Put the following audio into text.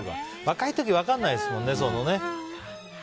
若い時、分かんないですもんね。